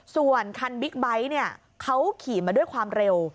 ส่วนคันบิ๊กไบท์เนี่ยเขาขี่มาด้วยความเร็ว